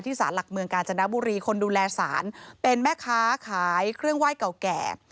สารหลักเมืองกาญจนบุรีคนดูแลสารเป็นแม่ค้าขายเครื่องไหว้เก่าแก่